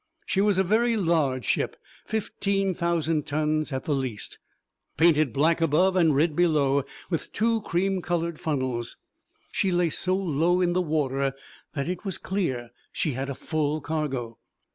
She was a very large ship, fifteen thousand tons at the least, painted black above and red below, with two cream coloured funnels. She lay so low in the water that it was clear she had a full cargo.